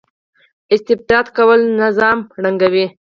استبداد کول نظام ړنګوي